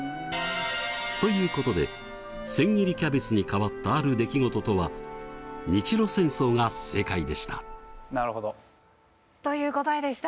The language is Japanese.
ということで千切りキャベツに変わったある出来事とはなるほど。という答えでした。